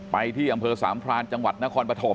ไปที่อำเภอสามพรานจังหวัดนครปฐม